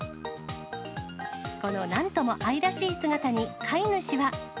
このなんとも愛らしい姿に、飼い主は。